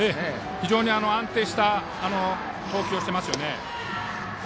非常に安定した投球をしていますよね。